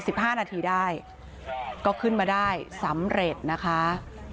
ห้านาทีได้ก็ขึ้นมาได้สำเร็จนะคะ